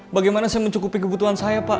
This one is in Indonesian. bagaimana saya mencukupi kebutuhan saya pak